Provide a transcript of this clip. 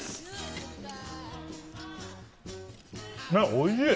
おいしい！